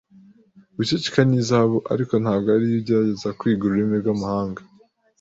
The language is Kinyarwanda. Guceceka ni zahabu, ariko ntabwo iyo ugerageza kwiga ururimi rwamahanga.